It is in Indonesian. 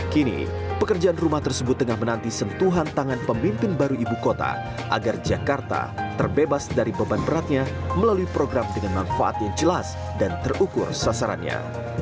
kini pekerjaan rumah tersebut tengah menanti sentuhan tangan pemimpin baru ibu kota agar jakarta terbebas dari beban beratnya melalui program dengan manfaat yang jelas dan terukur sasarannya